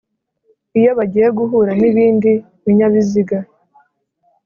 iyo bagiye guhura n’ibindi binyabiziga